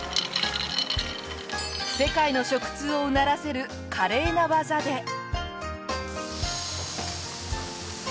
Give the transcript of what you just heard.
世界の食通をうならせる華麗な技で。